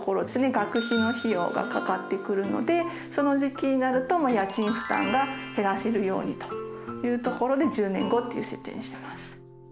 学費の費用がかかってくるのでその時期になると家賃負担が減らせるようにというところで１０年後という設定にしています。